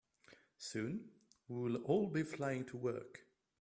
Soon, we will all be flying to work.